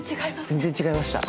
全然違いました。